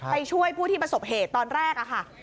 ไปช่วยผู้ที่ประสบเหตุตอนแรกค่ะ